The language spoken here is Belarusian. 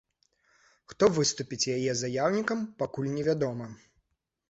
Хто выступіць яе заяўнікам, пакуль невядома.